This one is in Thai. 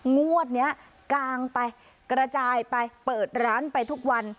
งวดนี้กางไปกระจายไปเปิดร้านไปทุกวัน